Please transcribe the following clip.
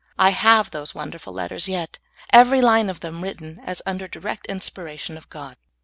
I have those wonderful letters yet, every line of them written as under direct inspiration of God.